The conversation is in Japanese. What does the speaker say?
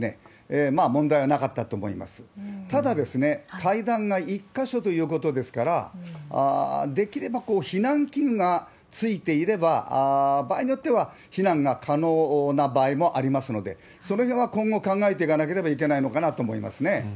大阪府警は設備に違法性があったか、できれば避難機器がついていれば、場合によっては避難が可能な場合もありますので、それが今後考えていかなければいけないのかなとは思いますね。